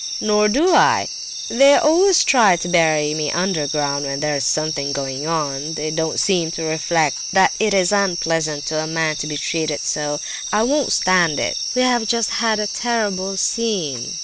"Nor do I! They always try to bury me underground when there's anything going on; they don't seem to reflect that it is unpleasant to a man to be treated so! I won't stand it! We have just had a terrible scene!